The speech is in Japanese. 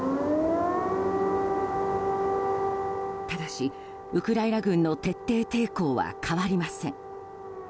ただしウクライナ軍の徹底抵抗は変わりません。